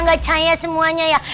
gak caya semuanya ya